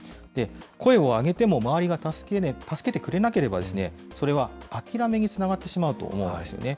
声を上げても周りが助けてくれなければ、それは諦めにつながってしまうと思うんですね。